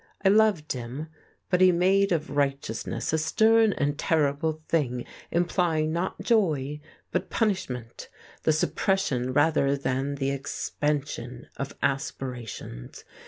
I loved him, but he made of righteousness a stern and terrible thing implying not joy, but punishment, the suppression rather than the expansion of aspirations.